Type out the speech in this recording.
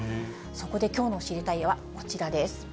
そこできょうの知りたいッ！はこちらです。